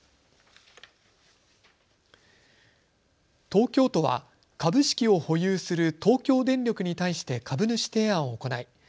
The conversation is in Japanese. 東京都は株式を保有する東京電力に対して株主提案を行い